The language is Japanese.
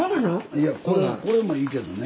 いやこれもいいけどね。